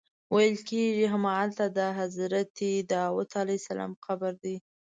ویل کېږي همغلته د حضرت داود علیه السلام قبر دی.